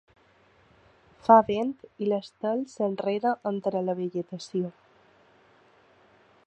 Fa vent i l’estel s’enreda entre la vegetació.